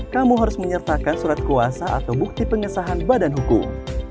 kamu harus menyertakan surat kuasa atau bukti pengesahan badan hukum